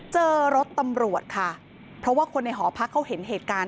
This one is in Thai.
เจอรถตำรวจค่ะเพราะว่าคนในหอพักเขาเห็นเหตุการณ์